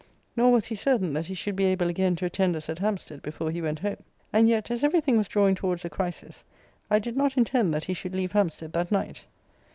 Nor was he certain that he should be able again to attend us at Hampstead before he went home. And yet, as every thing was drawing towards a crisis, I did not intend that he should leave Hampstead that night.